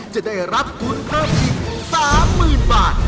จะได้รับทุนเพิ่มอีก๓๐๐๐บาท